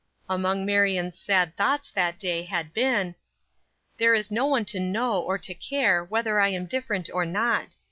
Among Marion's sad thoughts that day had been: "There is no one to know, or to care, whether I am different or not.